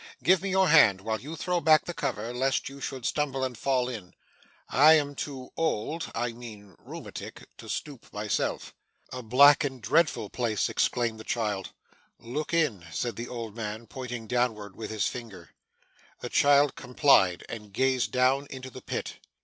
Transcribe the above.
'Give me your hand while you throw back the cover, lest you should stumble and fall in. I am too old I mean rheumatic to stoop, myself.' 'A black and dreadful place!' exclaimed the child. 'Look in,' said the old man, pointing downward with his finger. The child complied, and gazed down into the pit.